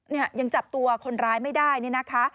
เนี่ยยังจับตัวคนร้ายไม่ได้เนี่ยนะคะ